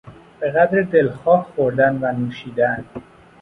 به قدر دلخواه خوردن و نوشیدن